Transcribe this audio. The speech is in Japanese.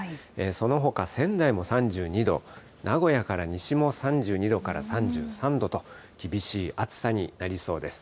そのほか仙台も３２度、名古屋から西も３２度から３３度と、厳しい暑さになりそうです。